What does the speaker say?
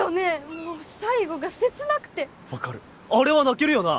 もう最後が切なくて分かるあれは泣けるよな！